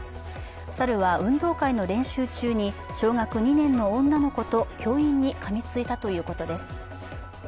猿は運動会の練習中に小学２年の女の子と教員にかみついたということです。